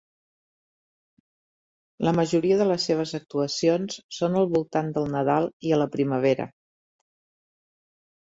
La majoria de les seves actuacions són al voltant del Nadal i a la primavera.